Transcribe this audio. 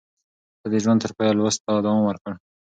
ده د ژوند تر پايه لوست ته دوام ورکړ.